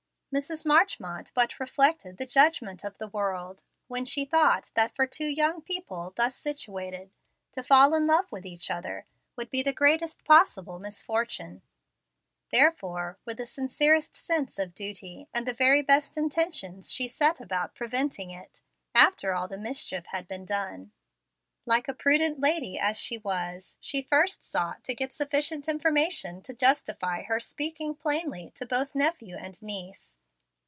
Mrs. Marchmont but reflected the judgment of the world when she thought that for two young people, thus situated, to fall in love with each other, would be the greatest possible misfortune. Therefore, with the sincerest sense of duty, and the very best intentions, she set about preventing it, after all the mischief had been done. Like a prudent lady, as she was, she first sought to get sufficient information to justify her in speaking plainly to both nephew and niece.